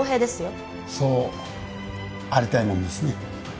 そうありたいもんですね。